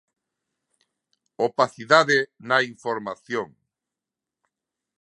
Opacidade na información.